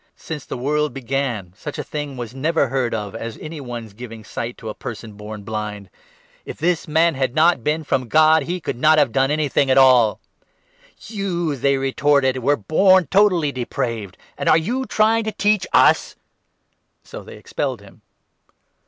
Since 32 the world began, such a thing was never heard of as any one's giving sight to a person born blind. If this man had not been 33 from God, he could not have done anything at all." " You," they retorted, " were born totally depraved ; and are 34 you trying to teach us ?" So they expelled him.